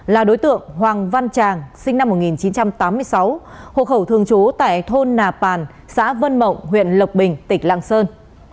là đối tượng hoàng văn tràng sinh năm một nghìn chín trăm tám mươi sáu hộ khẩu thường trú tại thôn nà pàn xã vân mộng huyện lộc bình tỉnh lạng sơn